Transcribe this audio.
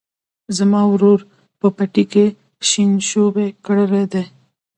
زما ورور په پټي کې شینشوبي کرلي دي.